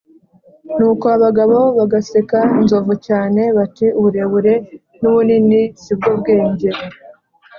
nuko abagabo bagaseka nzovu cyane, bati: ‘uburebure n’ubunini si bwo bwenge.’